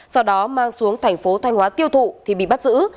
sau đó mang xuống thành phố thanh hóa tiêu thụ thì bị bắt giữ